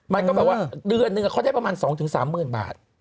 มันก็แบบว่าเดือนนึงเขาได้ประมาณ๒๓๐๐๐บาท